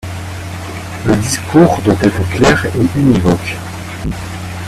Le discours doit être clair et univoque.